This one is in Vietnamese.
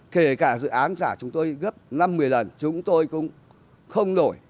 kể cả dự án giả chúng tôi gấp năm một mươi lần chúng tôi cũng không nổi